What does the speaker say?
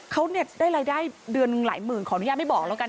เขาเนี่ยได้รายได้เดือนหลายหมื่นขออนุญาตไม่บอกแล้วกัน